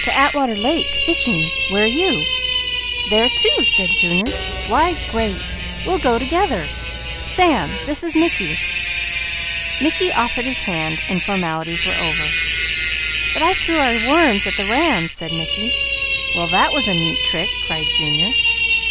"To Atwater Lake, fishing. Where you?" "There too!" said Junior. "Why great! We'll go together! Sam, this is Mickey." Mickey offered his hand and formalities were over. "But I threw our worms at the ram," said Mickey. "Well that was a smart trick!" cried Junior.